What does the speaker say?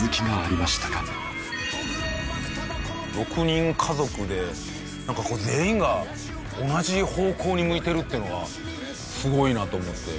６人家族でなんか全員が同じ方向に向いてるっていうのがすごいなと思って。